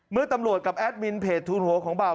เมื่อตำรวจกับแอดมินเพจทูลหัวของเบา